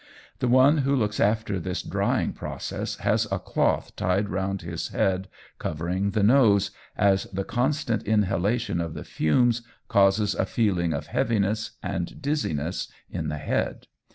The one who looks after this drying process has a cloth tied round his head covering the nose, as the constant inhalation of the fumes causes a feeling of heaviness and dizziness in the head.